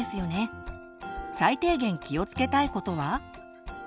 最低限気をつけたいことは？